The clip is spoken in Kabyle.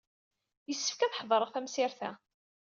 Yessefk ad ḥedṛeɣ tamsirt-a.